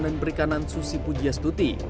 dan perikanan susi pujias tuti